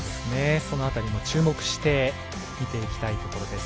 その辺りも注目して見ていきたいところです。